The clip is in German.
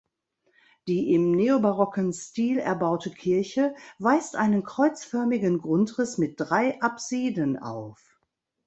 Die im neobarocken Stil erbaute Kirche weist einen kreuzförmigen Grundriss mit drei Apsiden auf.